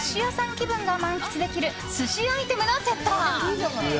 気分が満喫できる寿司アイテムのセット。